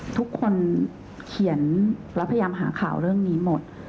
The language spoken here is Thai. ทุกคนเขียนและพยายามหาข่าวเรื่องนี้หมด